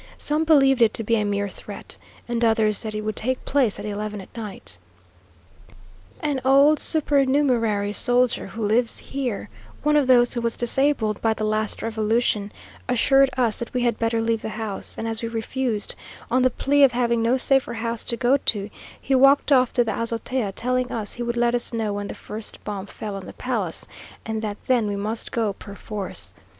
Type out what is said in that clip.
Some believed it to be a mere threat, and others that it would take place at eleven at night. An old supernumerary soldier who lives here (one of those who was disabled by the last revolution) assured us that we had better leave the house, and as we refused, on the plea of having no safer house to go to, he walked off to the azotea, telling us he would let us know when the first bomb fell on the palace, and that then we must go perforce.